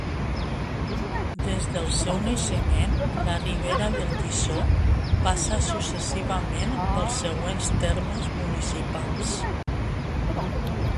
Des del seu naixement, la Ribera del Llissó passa successivament pels següents termes municipals.